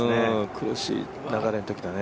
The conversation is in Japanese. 苦しい流れのときだね。